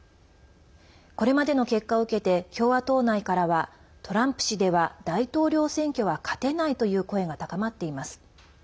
これまでの結果を受けて共和党内からはトランプ氏では大統領選挙は勝てないという声が高まっています。